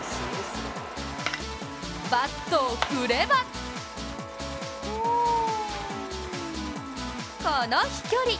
バットを振ればこの飛距離！